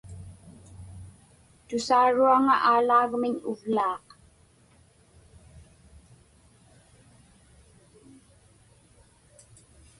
Tusaaruŋa Aalaagmiñ uvlaaq.